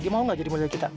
dia mau gak jadi model kita